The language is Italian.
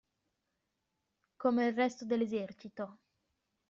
Come il resto dell'esercito.